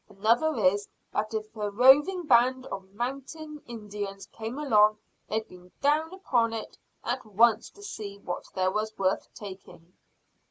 Another is, that if a roving band of mounted Indians came along they'd be down upon it at once to see what there was worth taking."